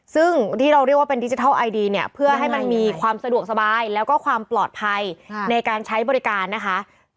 ซึ่งที่เราเรียกว่าเป็นดิจิทัลไอดีเนี่ยเพื่อให้มันมีความสะดวกสบายแล้วก็ความปลอดภัยในการใช้บริการนะคะ